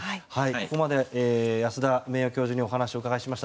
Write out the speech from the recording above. ここまで安田名誉教授にお話を伺いました。